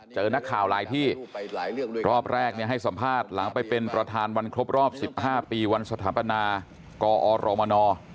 เจอนักข่าวหลายที่รอบแรกให้สัมภาษณ์หลังไปเป็นประธานวันครบรอบ๑๕ปีวันสถาปนากอรมน